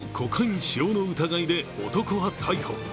大麻所持とコカイン使用の疑いで男は逮捕。